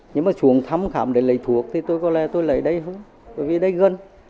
nhưng mà xuống thăm khám để lấy thuốc thì tôi có lẽ tôi lấy đây không bởi vì đây gần